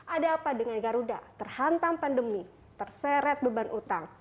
ada apa dengan garuda terhantam pandemi terseret beban utang